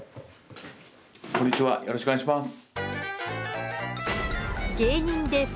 こんにちはよろしくお願いします。